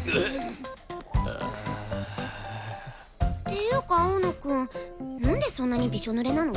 ていうか青野くんなんでそんなにびしょぬれなの？